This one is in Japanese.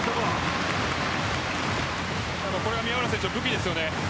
これが宮浦選手の武器ですよね。